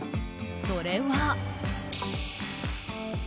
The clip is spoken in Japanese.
それは。